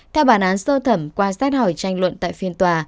theo bản án sơ thẩm qua xét hỏi tranh luận tại phiên tòa